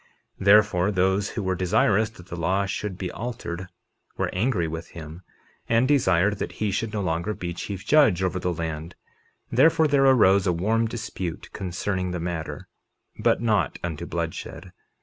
51:4 Therefore, those who were desirous that the law should be altered were angry with him, and desired that he should no longer be chief judge over the land; therefore there arose a warm dispute concerning the matter, but not unto bloodshed.